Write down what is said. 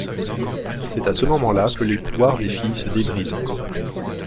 C'est à ce moment-là que les pouvoirs des filles se débrident.